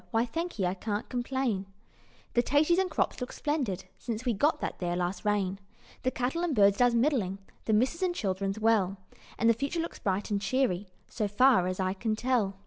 Why, thankee, I can't complain; The taties and crops looks splendid, Since we got that there last rain: The cattle and birds does middling, The missus and children's well, And the future looks bright and cheery, So far as I can tell.